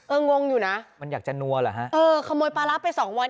งงอยู่นะมันอยากจะนัวเหรอฮะเออขโมยปลาร้าไปสองวัน